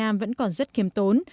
nhưng họ vẫn còn rất khiếm tốn